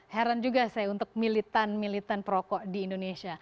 heran juga saya untuk militan militan perokok di indonesia